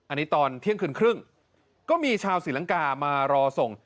อันนี้ตอนเที่ยงคืนครึ่งก็มีชาวศรีลังกามารอส่ง